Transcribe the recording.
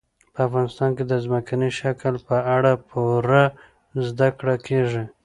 په افغانستان کې د ځمکني شکل په اړه پوره زده کړه کېږي.